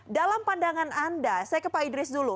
dalam pandangan anda saya ke pak idris dulu